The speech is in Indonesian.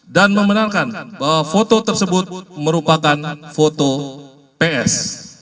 dan membenarkan bahwa foto tersebut merupakan foto ps